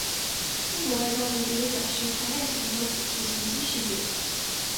中国外交部也表示强烈谴责此次袭击事件。